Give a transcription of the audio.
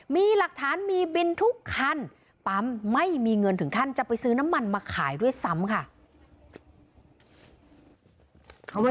มีหลักฐานมีบินทุกคันปั๊มไม่มีเงินถึงขั้นจะไปซื้อน้ำมันมาขายด้วยซ้ำค่ะ